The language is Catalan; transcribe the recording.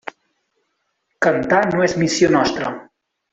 Cantar no és missió nostra.